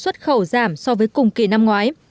xuất khẩu giảm so với cùng kỳ năm ngoái